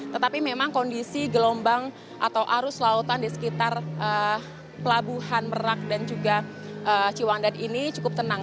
tetapi memang kondisi gelombang atau arus lautan di sekitar pelabuhan merak dan juga ciwandan ini cukup tenang